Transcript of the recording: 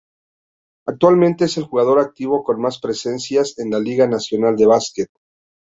Actualmente es el jugador activo con más presencias en la Liga Nacional de Básquet.